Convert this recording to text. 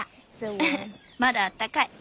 ウフまだあったかい。